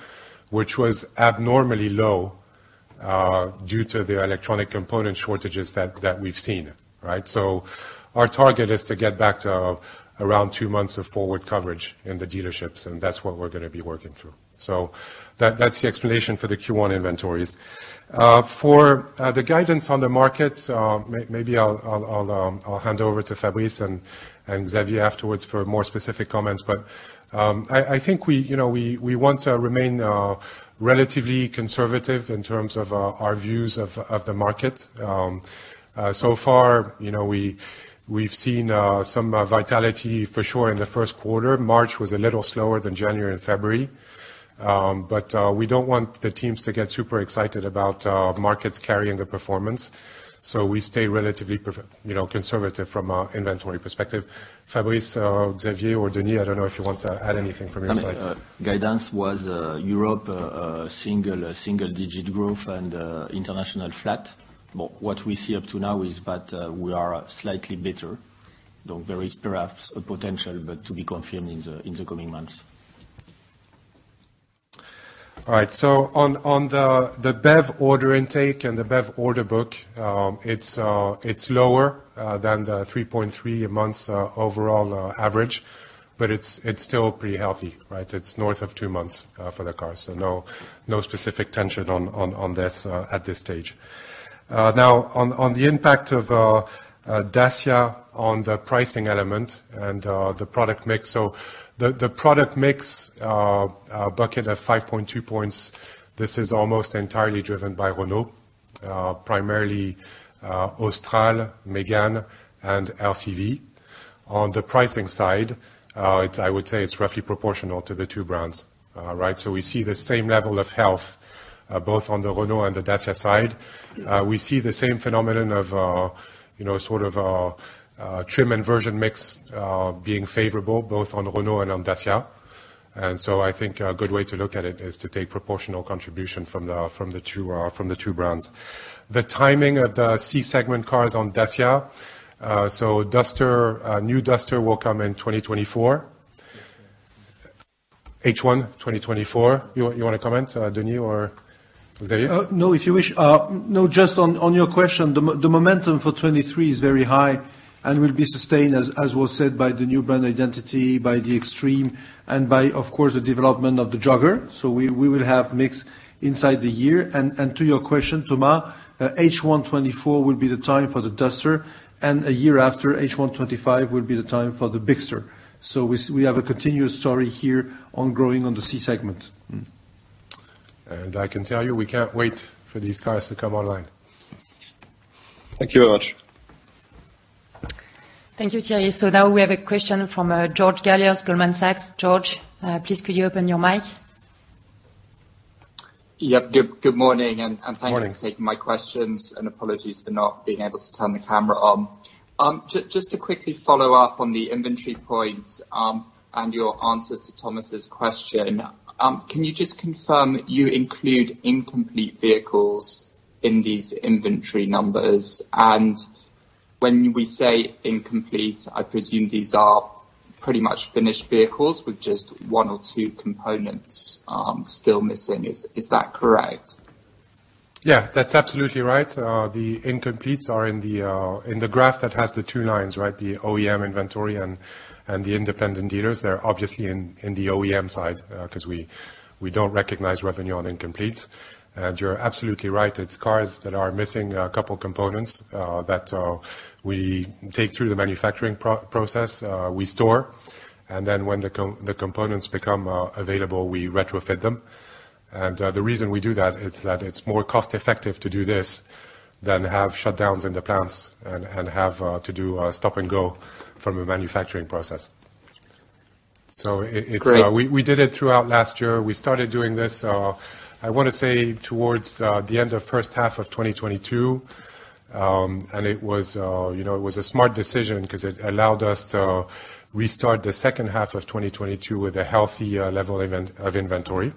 which was abnormally low due to the electronic component shortages that we've seen. Right? Our target is to get back to around 2 months of forward coverage in the dealerships, and that's what we're gonna be working through. That's the explanation for the Q1 inventories. For the guidance on the markets, maybe I'll hand over to Fabrice and Xavier afterwards for more specific comments. I think we, we want to remain relatively conservative in terms of our views of the market. So far, we've seen some vitality for sure in the Q2. March was a little slower than January and February. We don't want the teams to get super excited about markets carrying the performance. We stay relatively conservative from a inventory perspective. Fabrice or Xavier or Denis, I don't know if you want to add anything from your side. Guidance was, Europe, single-digit growth and international flat. What we see up to now is but, we are slightly better. There is perhaps a potential, but to be confirmed in the coming months. All right. On the BEV order intake and the BEV order book, it's lower than the 3.3 months overall average, but it's still pretty healthy, right? It's north of 2 months for the car. No specific tension on this at this stage. Now, on the impact of Dacia on the pricing element and the product mix. The product mix bucket of 5.2 points, this is almost entirely driven by Renault, primarily Austral, Megane and LCV. On the pricing side, I would say it's roughly proportional to the two brands. Right? We see the same level of health both on the Renault and the Dacia side. We see the same phenomenon of, sort of, trim and version mix being favorable both on Renault and on Dacia. I think a good way to look at it is to take proportional contribution from the two brands. The timing of the C segment cars on Dacia, so Duster, new Duster will come in 2024. H1 2024. You wanna comment, Denis or Xavier? No, if you wish. No, just on your question, the momentum for 2023 is very high and will be sustained, as was said, by the new brand identity, by the Extreme, and by, of course, the development of the Jogger. We will have mix inside the year. To your question, Thomas, H1 2024 will be the time for the Duster, and a year after, H1 2025, will be the time for the Bigster. We have a continuous story here on growing on the C segment. I can tell you, we can't wait for these cars to come online. Thank you very much. Thank you, Thierry. Now we have a question from George Galliers, Goldman Sachs. George, please could you open your mic? Yeah. Good morning. Good morning. Thank you for taking my questions. Apologies for not being able to turn the camera on. Just to quickly follow up on the inventory point and your answer to Thomas's question. Can you just confirm you include incomplete vehicles in these inventory numbers? When we say incomplete, I presume these are pretty much finished vehicles with just one or two components, still missing. Is that correct? Yeah, that's absolutely right. The incompletes are in the graph that has the two lines, right? The OEM inventory and the independent dealers. They're obviously in the OEM side 'cause we don't recognize revenue on incompletes. You're absolutely right. It's cars that are missing a couple components that we take through the manufacturing process, we store, and then when the components become available, we retrofit them. The reason we do that is that it's more cost effective to do this than have shutdowns in the plants and have to do a stop and go from a manufacturing process. It's. Great. We did it throughout last year. We started doing this, I wanna say towards the end of first half of 2022. It was, yit was a smart decision 'cause it allowed us to restart the second half of 2022 with a healthy level of inventory, which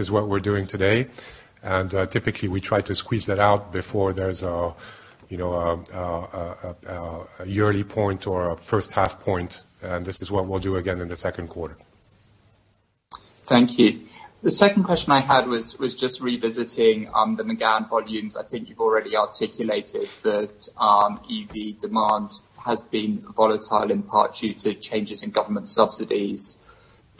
is what we're doing today. Typically we try to squeeze that out before there's a yearly point or a first half point, and this is what we'll do again in the Q2. Thank you. The second question I had was just revisiting, the Megane volumes. I think you've already articulated that, EV demand has been volatile in part due to changes in government subsidies.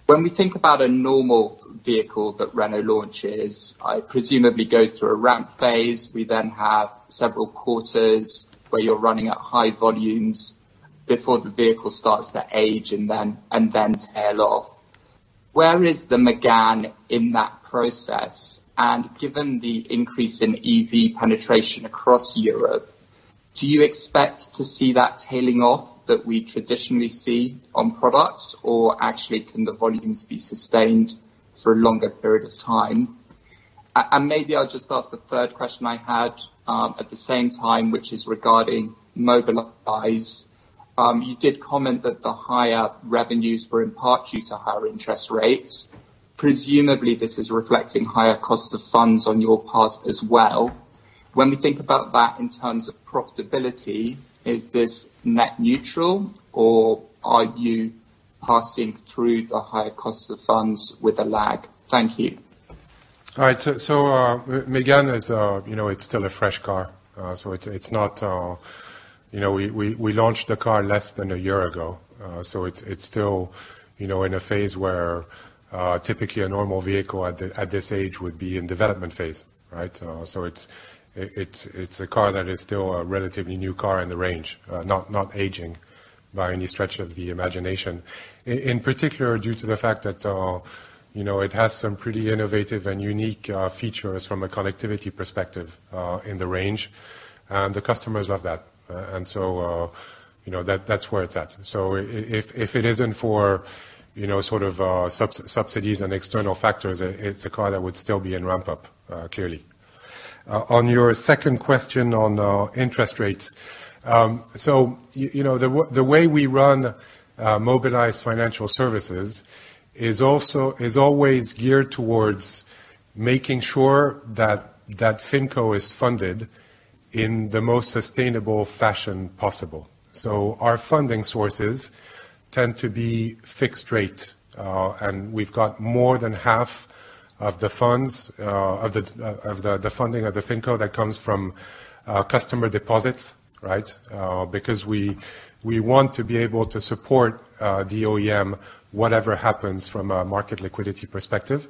When we think about a normal vehicle that Renault launches, it presumably goes through a ramp phase. We then have several quarters where you're running at high volumes before the vehicle starts to age and then tail off. Where is the Megane in that process? Given the increase in EV penetration across Europe, do you expect to see that tailing off that we traditionally see on products, or actually can the volumes be sustained for a longer period of time? Maybe I'll just ask the third question I had at the same time, which is regarding Mobilize. You did comment that the higher revenues were in part due to higher interest rates. Presumably, this is reflecting higher cost of funds on your part as well. When we think about that in terms of profitability, is this net neutral, or are you passing through the higher costs of funds with a lag? Thank you. Megane is, it's still a fresh car. It's, it's not. You know, we launched the car less than a year ago. It's, it's still, in a phase where, typically a normal vehicle at this age would be in development phase, right? It's, it's a car that is still a relatively new car in the range, not aging by any stretch of the imagination. In particular, due to the fact that, it has some pretty innovative and unique features from a connectivity perspective, in the range, the customers love that. You know, that's where it's at. If it isn't for, sort of, subsidies and external factors, it's a car that would still be in ramp-up, clearly. On your second question on interest rates. The way we run Mobilize Financial Services is always geared towards making sure that finco is funded in the most sustainable fashion possible. Our funding sources tend to be fixed rate, and we've got more than half of the funds of the funding of the finco that comes from customer deposits, right? Because we want to be able to support the OEM, whatever happens from a market liquidity perspective.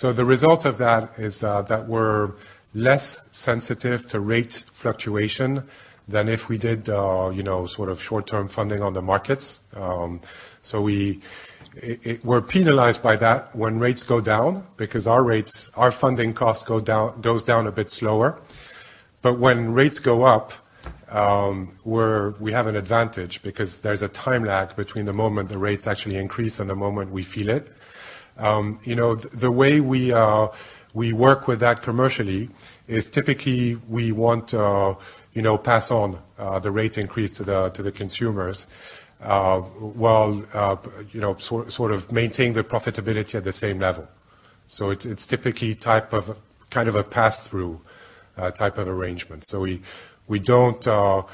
The result of that is that we're less sensitive to rate fluctuation than if we did, sort of short-term funding on the markets. We're penalized by that when rates go down because our rates, our funding costs go down a bit slower. When rates go up, we have an advantage because there's a time lag between the moment the rates actually increase and the moment we feel it. The way we work with that commercially is typically we want to, pass on the rate increase to the consumers, while sort of maintain the profitability at the same level. It's typically kind of a pass-through type of arrangement. We don't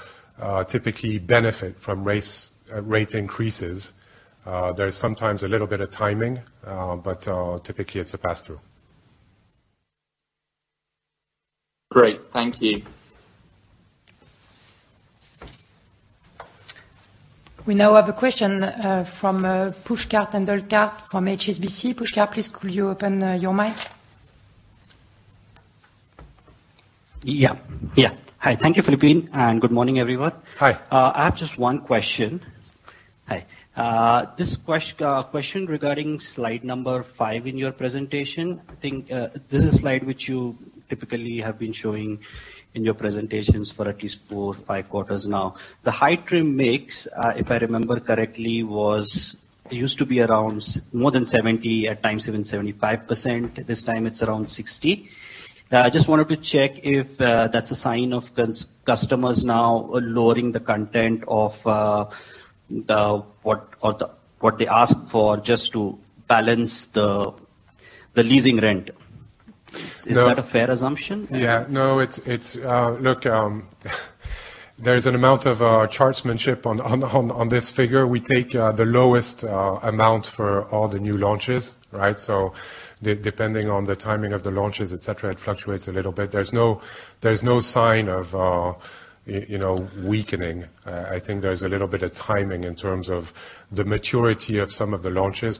typically benefit from race rate increases. There's sometimes a little bit of timing, but typically it's a pass-through. Great. Thank you. We now have a question from Pushkar Tendolkar from HSBC. Pushkar, please could you open your mic? Yeah. Hi. Thank you, Philippine. Good morning, everyone. Hi. I have just 1 question. Hi. This question regarding slide number 5 in your presentation. I think, this is a slide which you typically have been showing in your presentations for at least Q4 or Q5 now. The high trim mix, if I remember correctly, it used to be around more than 70, at times even 75%. This time it's around 60. I just wanted to check if that's a sign of customers now lowering the content of what they ask for just to balance the leasing rent. No- Is that a fair assumption? Yeah. No. It's, it's. Look, there's an amount of chargemanship on this figure. We take the lowest amount for all the new launches, right. So depending on the timing of the launches, et cetera, it fluctuates a little bit. There's no, there's no sign of, weakening. I think there's a little bit of timing in terms of the maturity of some of the launches,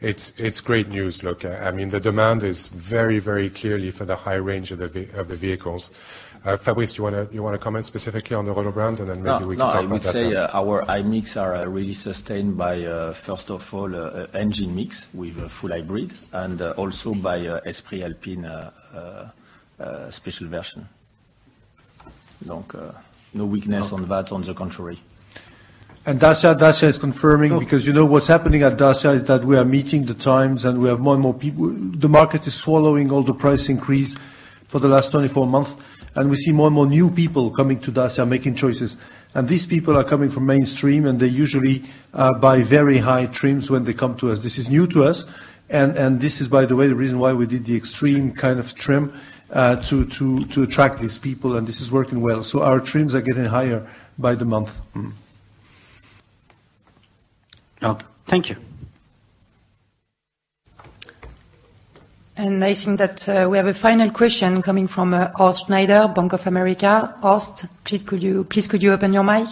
but it's great news. Look, I mean, the demand is very clearly for the high range of the vehicles. Fabrice, do you wanna comment specifically on the roll around? Then maybe we can talk about that. No. No. I would say our mix are really sustained by first of all, engine mix with a full hybrid and also by Esprit Alpine special version. Look, no weakness on that, on the contrary. Dacia is confirming... No Because what's happening at Dacia is that we are meeting the times, we have more and more people. The market is swallowing all the price increase for the last 24 months, we see more and more new people coming to Dacia making choices. These people are coming from mainstream, and they usually buy very high trims when they come to us. This is new to us and this is, by the way, the reason why we did the Extreme kind of trim to attract these people, and this is working well. Our trims are getting higher by the month. Thank you. I think that we have a final question coming from Horst Schneider, Bank of America. Horst, please could you open your mic?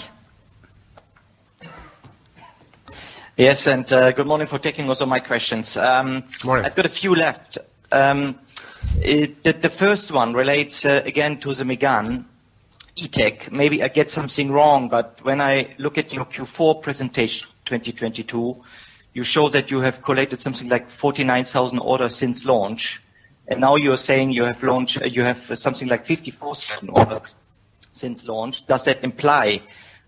Yes. Good morning for taking also my questions. Good morning.... I've got a few left. The first one relates again to the Megane E-Tech. Maybe I get something wrong, but when I look at your Q4 presentation 2022, you show that you have collected something like 49,000 orders since launch, and now you're saying you have something like 54,000 orders. Since launch, does that imply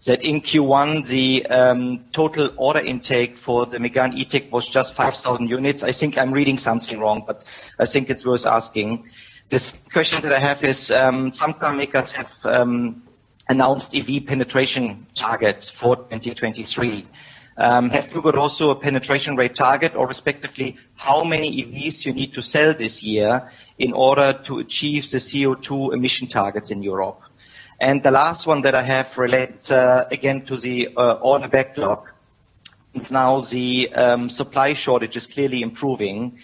that in Q1 the total order intake for the Megane E-TECH was just 5,000 units? I think I'm reading something wrong, but I think it's worth asking. This question that I have is, some car makers have announced EV penetration targets for 2023. Have you got also a penetration rate target? Or respectively, how many EVs you need to sell this year in order to achieve the CO2 emission targets in Europe? The last one that I have relates again to the order backlog. Now the supply shortage is clearly improving.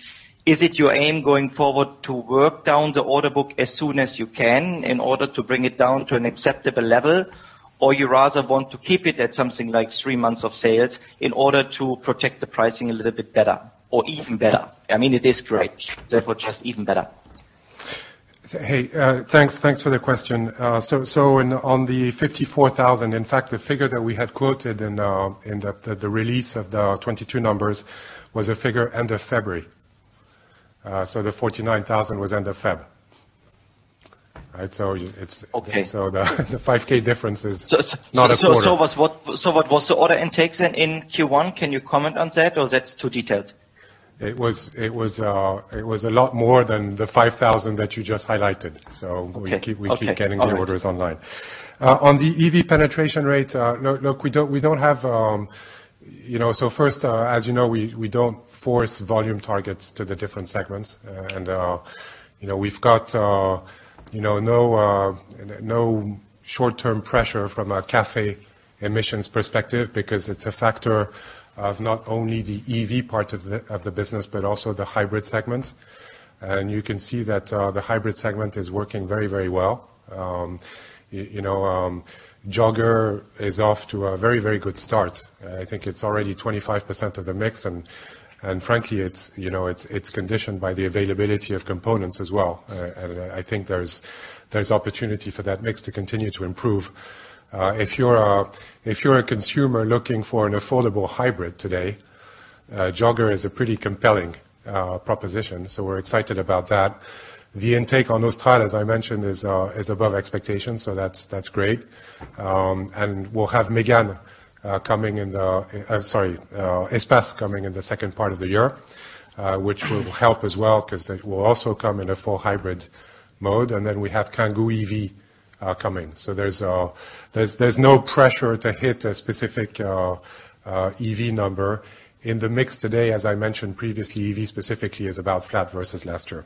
Is it your aim going forward to work down the order book as soon as you can in order to bring it down to an acceptable level? You rather want to keep it at something like three months of sales in order to protect the pricing a little bit better or even better? I mean, it is great, therefore just even better. Hey, thanks. Thanks for the question. On the 54,000, in fact, the figure that we had quoted in the release of the 22 numbers was a figure end of February. The 49,000 was end of February. Right. So it's- Okay. The 5K difference is not important. What was the order intakes in Q1? Can you comment on that or that's too detailed? It was a lot more than 5,000 that you just highlighted. Okay. We keep getting... Okay. All right. the orders online. On the EV penetration rate, we don't have. First, as you know, we don't force volume targets to the different segments. We've got no short-term pressure from a CAFE emissions perspective because it's a factor of not only the EV part of the business, but also the hybrid segment. You can see that the hybrid segment is working very, very well. Jogger is off to a very, very good start. I think it's already 25% of the mix and frankly, it's conditioned by the availability of components as well. I think there's opportunity for that mix to continue to improve. If you're a consumer looking for an affordable hybrid today, Jogger is a pretty compelling proposition, we're excited about that. The intake on Austral, as I mentioned, is above expectations, that's great. We'll have Espace coming in the second part of the year, which will help as well 'cause it will also come in a full hybrid mode. We have Kangoo EV coming. There's no pressure to hit a specific EV number. In the mix today, as I mentioned previously, EV specifically is about flat versus last year.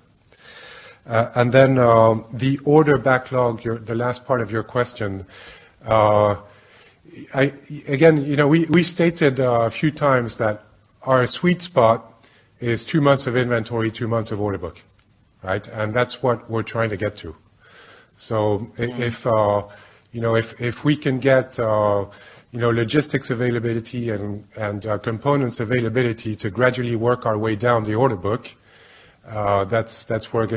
The order backlog, the last part of your question. Again, we stated a few times that our sweet spot is 2 months of inventory, 2 months of order book, right? That's what we're trying to get to. If, we can get, logistics availability and components availability to gradually work our way down the order book, that's what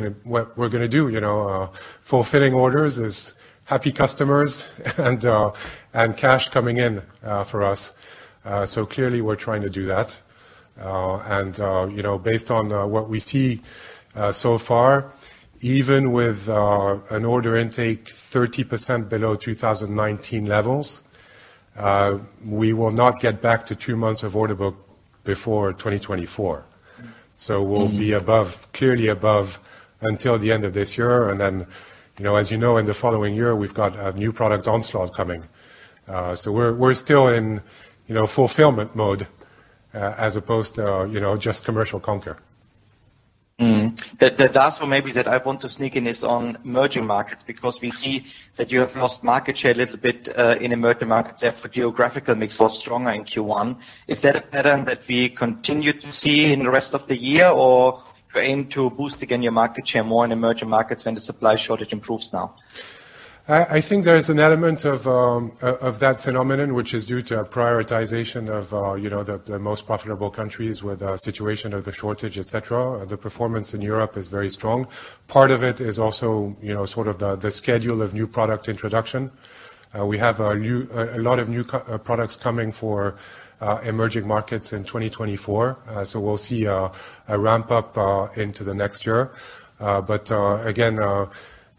we're gonna do. You know, fulfilling orders is happy customers and cash coming in for us. Clearly, we're trying to do that. You know, based on what we see so far, even with an order intake 30% below 2019 levels, we will not get back to 2 months of order book before 2024. We'll be above, clearly above until the end of this year. You know, as in the following year, we've got a new product onslaught coming. We're still in, fulfillment mode, as opposed to, just commercial conquer. The last one maybe that I want to sneak in is on emerging markets, because we see that you have lost market share a little bit in emerging markets, and the geographical mix was stronger in Q1. Is that a pattern that we continue to see in the rest of the year, or you aim to boost again your market share more in emerging markets when the supply shortage improves now? I think there is an element of that phenomenon, which is due to a prioritization of, the most profitable countries with a situation of the shortage, et cetera. The performance in Europe is very strong. Part of it is also, sort of the schedule of new product introduction. We have a lot of new products coming for emerging markets in 2024. We'll see a ramp-up into the next year. Again,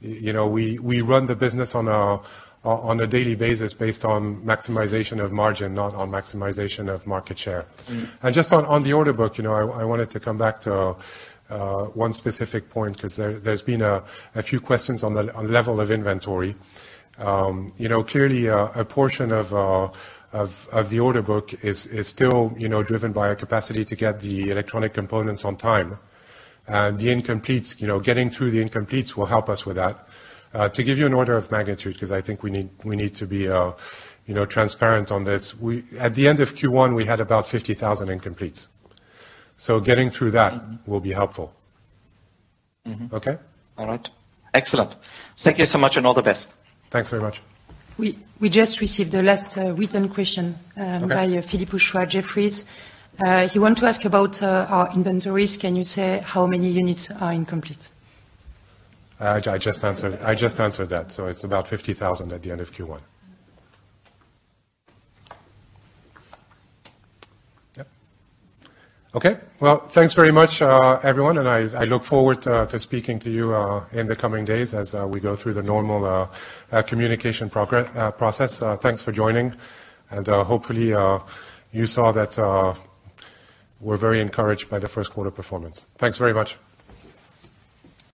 we run the business on a daily basis based on maximization of margin, not on maximization of market share. Mm. Just on the order book, I wanted to come back to one specific point, 'cause there's been a few questions on the level of inventory. You know, clearly a portion of the order book is still, driven by our capacity to get the electronic components on time. The incompletes, getting through the incompletes will help us with that. To give you an order of magnitude, 'cause I think we need to be, transparent on this. At the end of Q1, we had about 50,000 incompletes. Getting through that. Mm-hmm. will be helpful. Mm-hmm. Okay? All right. Excellent. Thank you so much. All the best. Thanks very much. We just received the last written question. Okay. Via Philippe Houchois, Jefferies. He want to ask about our inventories. Can you say how many units are incomplete? I just answered that. It's about 50,000 at the end of Q1. Yeah. Okay. Well, thanks very much, everyone, and I look forward to speaking to you in the coming days as we go through the normal communication process. Thanks for joining. Hopefully, you saw that we're very encouraged by the Q1 performance. Thanks very much.